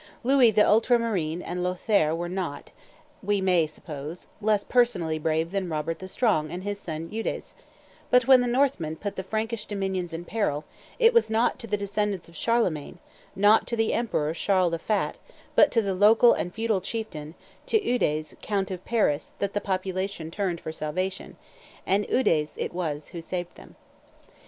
Louis the Ultra marine and Lothaire were not, we may suppose, less personally brave than Robert the Strong and his son Eudes; but when the Northmen put the Frankish dominions in peril, it was not to the descendants of Charlemagne, not to the emperor Charles the Fat, but to the local and feudal chieftain, to Eudes, count of Paris, that the population turned for salvation: and Eudes it was who saved them.